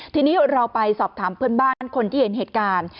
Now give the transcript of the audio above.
ทีนี้เราไปสอบถามเพื่อนบ้านคนที่เห็นเหตุการณ์